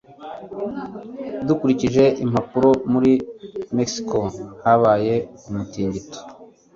dukurikije impapuro, muri mexico habaye umutingito